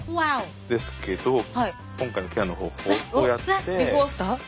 ですけど今回のケアの方法をやって少し。